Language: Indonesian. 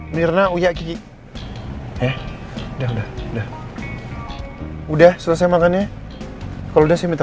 mirna uya kiki ya udah udah udah udah selesai makannya kalau udah minta